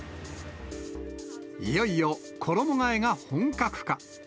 いよいよ衣がえが本格化。